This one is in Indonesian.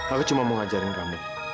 aku cuma mau ngajarin kamu